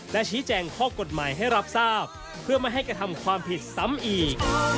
และชี้แจงข้อกฎหมายให้รับทราบเพื่อไม่ให้กระทำความผิดซ้ำอีก